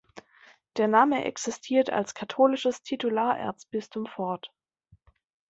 Der Name existiert als katholisches Titularerzbistum fort.